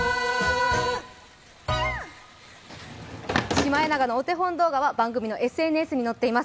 シマエナガのお手本動画は番組のＳＮＳに載っています。